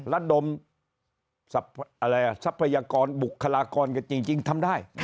ระดมทรัพยากรบุคลากรกันจริงทำได้